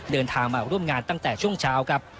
เดินทางมาร่วมงานตั้งแต่ช่วงเช้าครับ